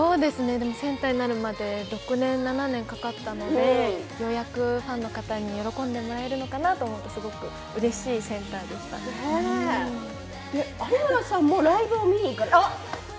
センターになるまで６年、７年かかったのでようやくファンの方に喜んでもらえるのかなと思って有村さんもライブを見に行かれた？